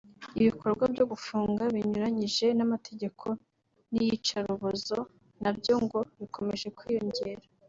Ibikorwa byo gufunga binyuranyije n’amategeko n’iyicarubozo nabyo ngo bikomeje kwiyongera